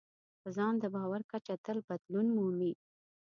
په ځان د باور کچه تل بدلون مومي.